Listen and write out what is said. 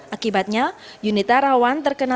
akibatnya yunita rawan terkena serangan jantung mendadak